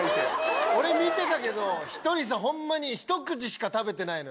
俺見てたけどひとりさんホンマにひと口しか食べてない。